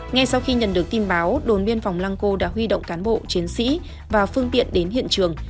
ngay sau khi nhận được tin báo đồn biên phòng lăng cô đã huy động cán bộ chiến sĩ và phương tiện đến hiện trường